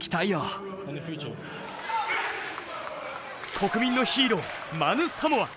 国民のヒーローマヌ・サモア。